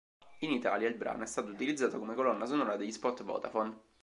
In Italia il brano è stato utilizzato come colonna sonora degli spot Vodafone.